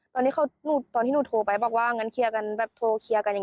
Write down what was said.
ตอนนี้หนูตอนที่หนูโทรไปบอกว่างั้นเคลียร์กันแบบโทรเคลียร์กันอย่าง